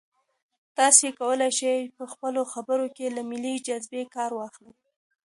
تاسي کولای شئ په خپلو خبرو کې له ملي جذبې کار واخلئ.